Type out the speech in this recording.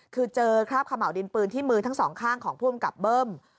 คือเจอคราบขม่าวดินปืนที่มือทั้งสองข้างของผู้อำกับเบิ้ม